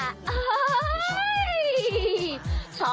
อ้าวไม่เชื่อก็ลองดูสิล่ะ